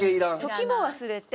時も忘れて。